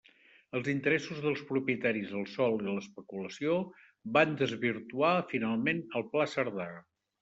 Els interessos dels propietaris del sòl i l'especulació van desvirtuar finalment el pla Cerdà.